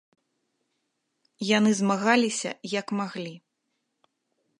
Яны змагаліся як маглі!